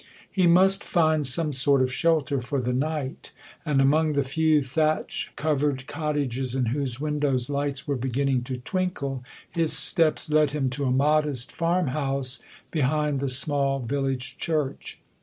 He must find some sort of shelter for the night; and among the few thatch covered cottages in whose windows lights were beginning to twinkle, his steps led him to a modest farmhouse behind the small village church.